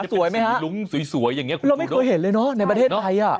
สวยไหมฮะเราไม่เคยเห็นเลยเนาะในประเทศไทย